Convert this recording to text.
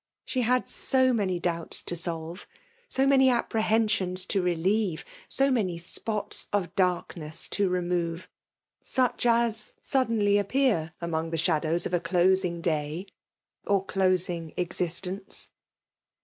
She had so many doubts to sdlve, so many apprehensions to relieve, so many spots of darkness to remove, such as suddenly appear among the shadows of a closing day, or closing existence.